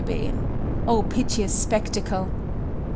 _ Oh, piteous spectacle!